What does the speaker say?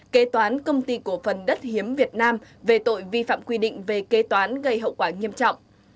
kế toán công ty cổ phần đất hiếm việt nam về tội vi phạm quy định về kế toán gây hậu quả nghiêm trọng